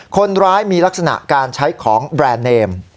คนร้ายมีลักษณะการใช้ของแบรนด์เนม